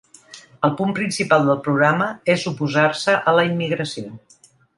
El punt principal del programa és oposar-se a la immigració.